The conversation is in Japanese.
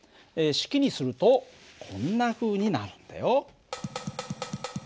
式にするとこんなふうになるんだよ。